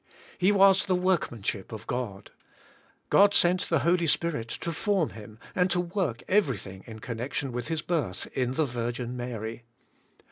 He was the workmanship of God. God sent the Holy Spirit to form Him, and to work everything in connection with His birth, in the Virgin Mary.